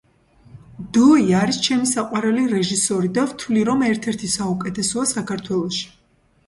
დოი არის ჩემი საყვარელი რეჟისორი და ვთვლი რომ ერთ-ერთი საუკეთესოა საქართველოში.